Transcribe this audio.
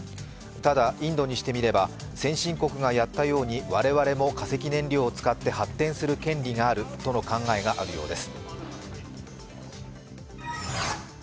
ただ、インドにしてみれば、先進国がやったように我々も化石燃料を使って発展する権利があるとの考えがあるようです。